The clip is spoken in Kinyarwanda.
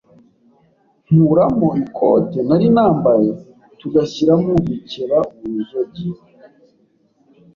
nkuramo ikote nari nambaye tugashyiramo gukeba uruzogi